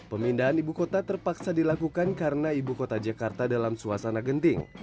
pemindahan ibu kota terpaksa dilakukan karena ibu kota jakarta dalam suasana genting